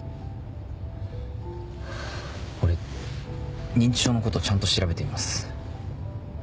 俺認知症のことちゃんと調べてみます。